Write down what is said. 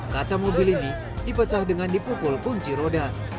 kaca mobil ini dipecah dengan dipukul kunci roda